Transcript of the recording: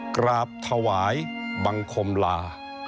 กราบถวายบังคมลา